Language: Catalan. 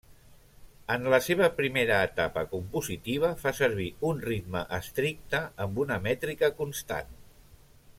En la seva primera etapa compositiva fa servir un ritme estricte amb una mètrica constant.